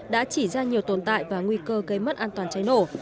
đã chỉ ra nhiều tồn tại và nguy cơ gây mất an toàn cháy nổ